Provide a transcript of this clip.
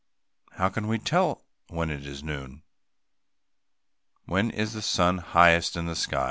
How can we tell when it is noon? When is the sun highest in the sky?